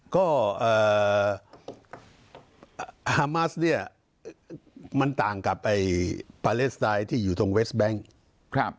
ก็ฮามัสเนี่ยมันต่างกับไอ้ปาเลสไตล์ที่อยู่ตรงเวสแบงค์ครับ